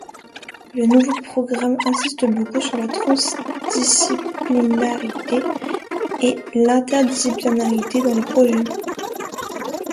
Le nouveau programme insiste beaucoup sur la transdisciplinarité et l'interdisciplinarité dans les projets.